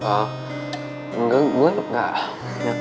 ya kasih in' ke minumnya bagus kan gue enggak sekarat tadi